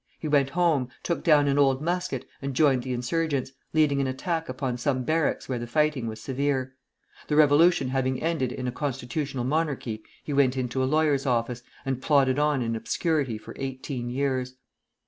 He went home, took down an old musket, and joined the insurgents, leading an attack upon some barracks where the fighting was severe. The Revolution having ended in a constitutional monarchy, he went into a lawyer's office, and plodded on in obscurity for eighteen years.